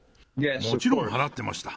もちろん、払ってました。